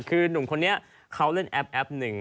คือหนุ่มคนนี้เขาเล่นแอปแอปหนึ่ง